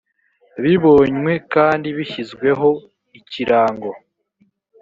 bibonywe kandi bishyizweho ikirango